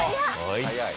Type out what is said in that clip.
あいつ。